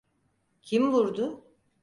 Kim vurdu?